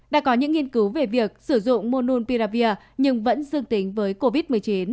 đã có những nghiên cứu về việc sử dụng mononpiravir nhưng vẫn dương tính với covid một mươi chín